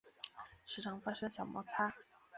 时常发生小摩擦